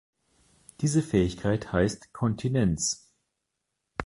Diese Fähigkeit heißt Kontinenz.